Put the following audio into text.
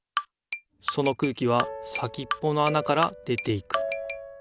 その空気は先っぽのあなから出ていく。